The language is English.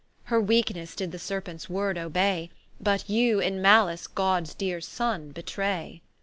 Her weakenesse did the Serpents word obay, But you in malice Gods deare Sonne betray.